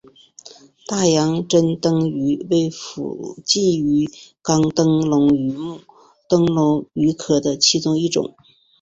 大洋珍灯鱼为辐鳍鱼纲灯笼鱼目灯笼鱼科的其中一种。